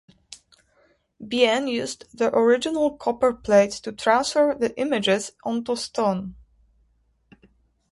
Bien used the original copper plates to transfer the images onto stone.